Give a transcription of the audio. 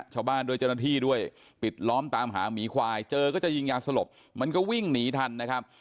ชาวบ้านด้วยเจ้าหน้าที่ด้วยปิดล้อมตามหาหมีควายเจอก็จะยิงยาสลบมันก็วิ่งหนีทันนะครับ